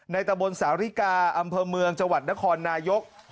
ตะบนสาวริกาอำเภอเมืองจังหวัดนครนายก